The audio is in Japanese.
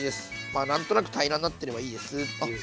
まあ何となく平らになってればいいですっていう。